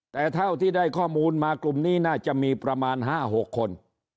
แต่เท่าที่ได้ข้อมูลมากลุ่มนี้น่าจะมีประมาณ๕๖คน